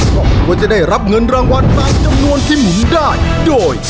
ครอบครัวจะได้รับเงินรางวัลตามจำนวนที่หมุนได้โดย